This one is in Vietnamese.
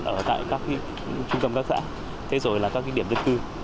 ở tại các trung tâm các xã thế rồi là các điểm dân cư